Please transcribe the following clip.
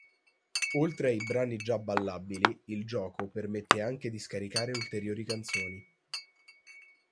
Oltre ai brani già ballabili, il gioco permette anche di scaricare ulteriori canzoni.